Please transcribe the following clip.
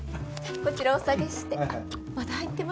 こちらお下げして。